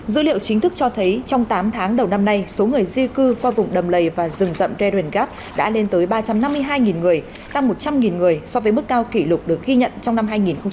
dữ liệu chính thức cho thấy trong tám tháng đầu năm nay số người di cư qua vùng đầm lầy và rừng rậm redwood gap đã lên tới ba trăm năm mươi hai người tăng một trăm linh người so với mức cao kỷ lục được ghi nhận trong năm hai nghìn một mươi tám